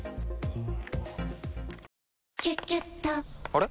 あれ？